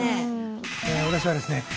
私はですね